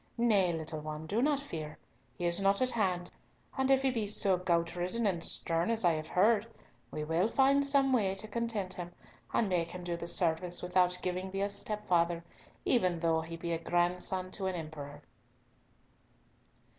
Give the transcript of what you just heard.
Nay, little one, do not fear. He is not at hand, and if he be so gout ridden and stern as I have heard, we will find some way to content him and make him do the service without giving thee a stepfather, even though he be grandson to an emperor."